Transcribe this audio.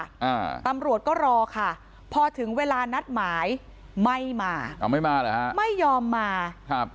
อ่าตำรวจก็รอค่ะพอถึงเวลานัดหมายไม่มาเอาไม่มาเหรอฮะไม่ยอมมาครับ